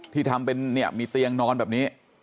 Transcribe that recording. ทำเป็นเนี่ยมีเตียงนอนแบบนี้